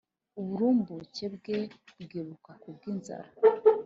uburumbuke bwe kwibukwa ku bw inzara